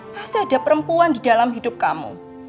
pasti ada perempuan di dalam hidup kamu